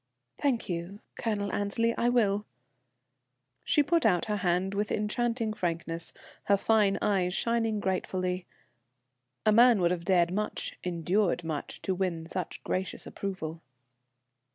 "Thank you, Colonel Annesley, I will." She put out her hand with enchanting frankness, her fine eyes shining gratefully. A man would have dared much, endured much, to win such gracious approval.